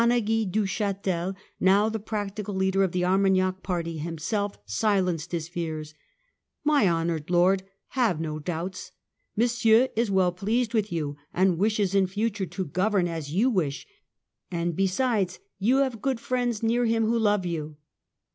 Tanneguy du Chatel, now the practical leader of the Armagnac party himself silenced his fears :" My honoured lord, have no doubts ; Monsieur is well pleased with you, and wishes in future to govern as you wish ; and besides, you have good friends near him who love you